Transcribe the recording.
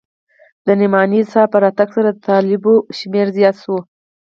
د نعماني صاحب په راتگ سره د طلباوو شمېر زيات سوى و.